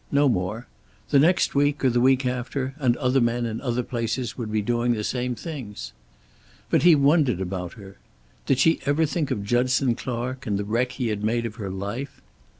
No more. The next week, or the week after, and other men in other places would be doing the same things. But he wondered about her, sometimes. Did she ever think of Judson Clark, and the wreck he had made of her life?